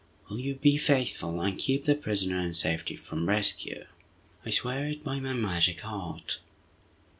Will you be faithful and keep the prisoner in safety from rescue?" "I swear it by my magic art!"